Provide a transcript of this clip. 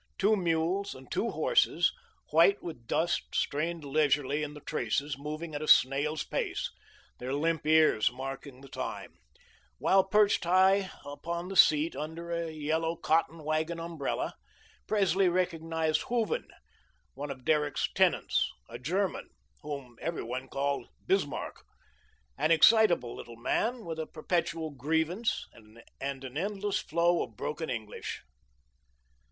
Two mules and two horses, white with dust, strained leisurely in the traces, moving at a snail's pace, their limp ears marking the time; while perched high upon the seat, under a yellow cotton wagon umbrella, Presley recognised Hooven, one of Derrick's tenants, a German, whom every one called "Bismarck," an excitable little man with a perpetual grievance and an endless flow of broken English.